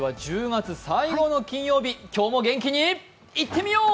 １０月最後の金曜日、今日も元気にいってみよう！